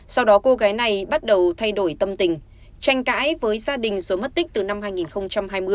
sau đó cô gái này bắt đầu thay đổi tâm tình tranh cãi với gia đình rồi mất tích từ năm hai nghìn hai mươi